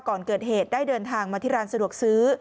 ก่อนเกิดเหตุได้เดินทางมาที่ร้านสะดวกซื้อ